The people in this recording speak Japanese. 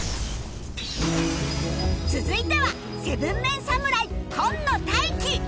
続いては ７ＭＥＮ 侍今野大輝